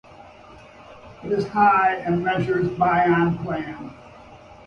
It is high, and measures by on plan.